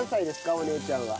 お姉ちゃんは。